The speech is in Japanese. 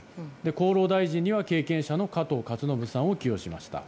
厚労大臣には経験者の加藤勝信さんを起用しました。